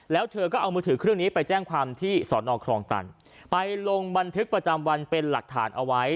แล้วเธอก็เอามือถือเครื่องนี้ไปแจ้งความที่สอนอครองตันไปลงบันทึกประจำวันเป็นหลักฐานเอาไว้